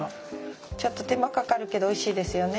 ちょっと手間かかるけどおいしいですよね。